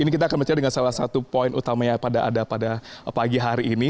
ini kita akan berbicara dengan salah satu poin utamanya pada pagi hari ini